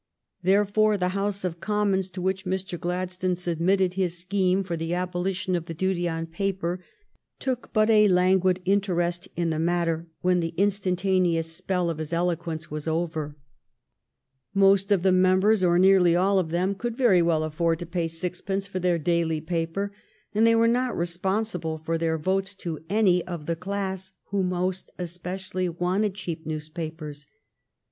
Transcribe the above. Therefore the House of Commons, to which Mr. Gladstone submitted his scheme for the abolition of the duty on paper, took but a languid interest in the matter when the instantaneous spell of his eloquence was over. Most of the members, or nearly all of them, could very well afford to pay sixpence for their daily paper, and they were not responsible for their votes to any of the class who most especially wanted cheap newspapers.